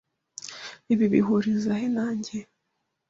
Ibi bihurizoe he nanjye?